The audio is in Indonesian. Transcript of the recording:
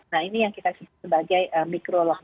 nah ini yang kita sebut sebagai micro lockdo